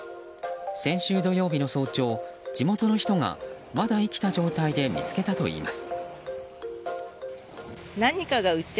先週土曜日の早朝、地元の人がまだ生きた状態で見つけたといいます。